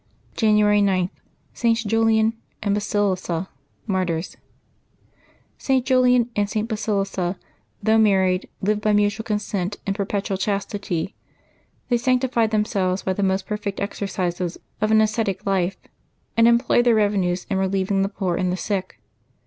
January g. — SS. JULIAN and BASILISSA, Martyrs. [t. Julian and St. Basilissa, though married, lived, by mutual consent, in perpetual chastity; they sanc tified themselves by the most perfect exercises of an as cetic life, and employed their revenues in relieving the poor and the sick.